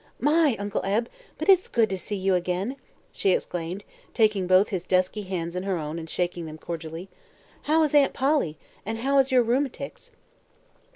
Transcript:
"My, Uncle Ebe, but it's good to see you again!" she exclaimed, taking both his dusky hands in her own and shaking them cordially. "How is Aunt Polly, and how is your 'rheum'tics'?"